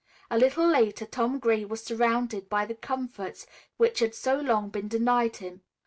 A little later Tom Gray was surrounded by the comforts which had so long been denied him.